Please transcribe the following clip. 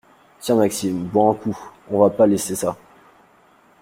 Tiens, Maxime, bois un coup, on va pas laisser ça.